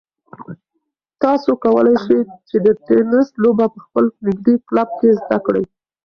تاسو کولای شئ چې د تېنس لوبه په خپل نږدې کلب کې زده کړئ.